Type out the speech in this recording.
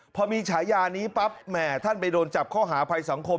พอมีฉายานี้ปั๊บแหมท่านไปโดนจับข้อหาภัยสังคม